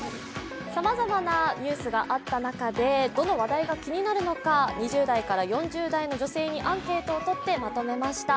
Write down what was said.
さまざまなニュースがあった中でどの話題が気になるのか、２０代から４０代の女性にアンケートを取ってまとめました。